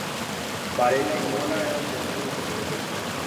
Varela y Mola eran de rango inferior.